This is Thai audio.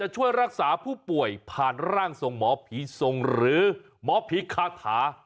ช่วยรักษาผู้ป่วยผ่านร่างทรงหมอผีทรงหรือหมอผีคาถา